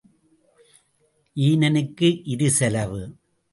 ஈனனுக்கு இரு செலவு.